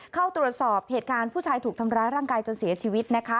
เข้าตรวจสอบเหตุการณ์ผู้ชายถูกทำร้ายร่างกายจนเสียชีวิตนะคะ